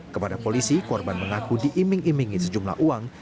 kepada polisi korban mengaku diiming imingi sejumlah uang